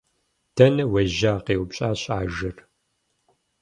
- Дэнэ уежьа? - къеупщӀащ ажэр.